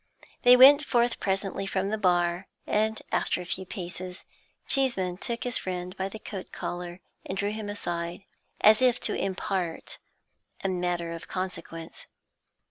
They went forth presently from the bar, and, after a few paces, Cheeseman took his friend by the coat collar and drew him aside, as if to impart a matter of consequence.